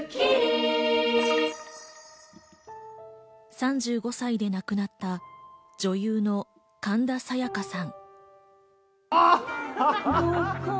３５歳で亡くなった女優の神田沙也加さん。